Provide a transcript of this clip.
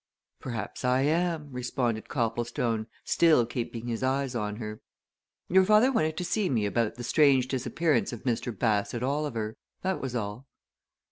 "Perhaps I am," responded Copplestone, still keeping his eyes on her. "Your father wanted to see me about the strange disappearance of Mr. Bassett Oliver. That was all."